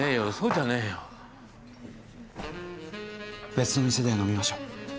別の店で飲みましょう。